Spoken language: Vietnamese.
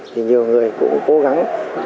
thì nhiều người cũng cố gắng